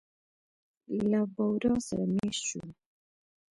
له بورا سره مېشت شوو.